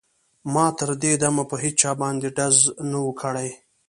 ما تر دې دمه په هېچا باندې ډز نه و کړی